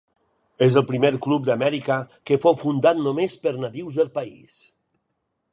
És el primer club d'Amèrica que fou fundat només per nadius del país.